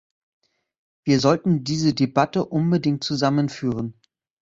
Wir sollten diese Debatte unbedingt zusammen führen.